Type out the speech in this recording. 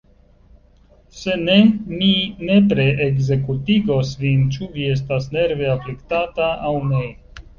Se ne, mi nepre ekzekutigos vin, ĉu vi estas nerve afliktata, aŭ ne.